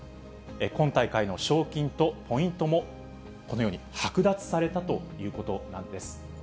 今大会の賞金とポイントも、このように剥奪されたということなんです。